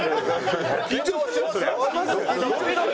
緊張しますわ！